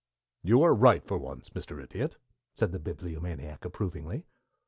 "You are right for once, Mr. Idiot," said the Bibliomaniac approvingly.